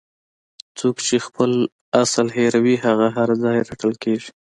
څوک چې خپل اصل هیروي هغه هر ځای رټل کیږي.